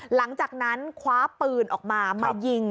หลังจากนั้นคว้าปืนออกมามายิง